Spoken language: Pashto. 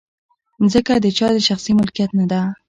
مځکه د چا د شخصي ملکیت نه ده.